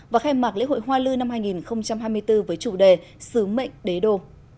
và khai mạc lễ hội hoa lư năm hai nghìn hai mươi bốn với chủ đề sứ mệnh đế đô